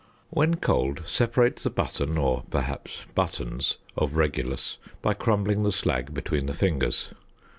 When cold separate the button, or perhaps buttons, of regulus by crumbling the slag between the fingers.